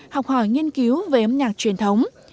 học hỏi nghiên cứu về âm nhạc truyền thống